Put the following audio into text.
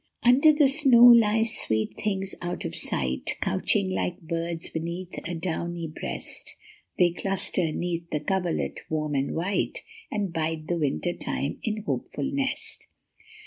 NDER the snow lie sweet things out of sight, Couching like birds beneath a downy breast ; They cluster neath the coverlet warm and white, And bide the winter time in hopeful rest.